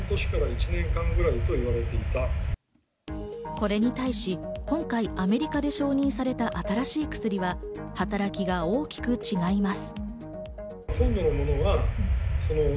これに対し今回アメリカで承認された新しい薬は働きが大きく違います。